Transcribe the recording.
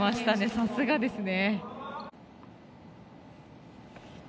さすがですね。